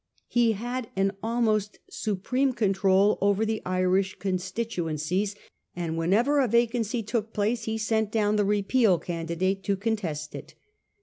He had an almost supreme control over the Irish constituencies, and whenever a vacancy took place he sent down the Repeal candidate to contest it.